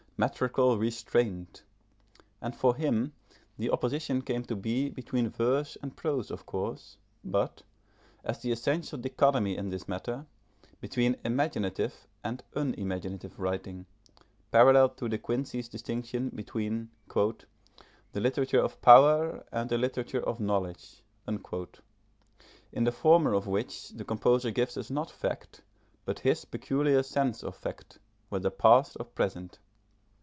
metrical restraint; and for him the opposition came to be between verse and prose of course; but, as the essential dichotomy in this matter, between imaginative and unimaginative writing, parallel to De Quincey's distinction between "the literature of power and the literature of knowledge," in the former of which the composer gives us not fact, but his peculiar sense of fact, whether past or present.